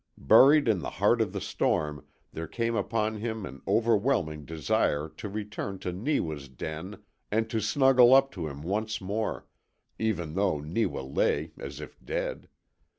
Buried in the heart of the storm, there came upon him an overwhelming desire to return to Neewa's den, and to snuggle up to him once more, even though Neewa lay as if dead.